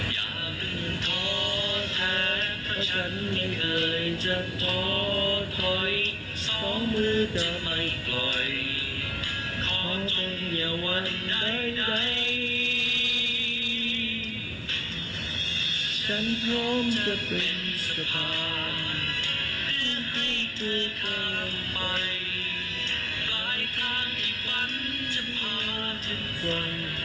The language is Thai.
กลายทางที่ฝันจะผ่านถึงฝัน